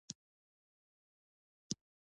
د شاهي ناک ډیر خوندور وي.